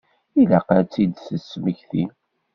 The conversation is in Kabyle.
Ilaq ad tt-id-tesmekti.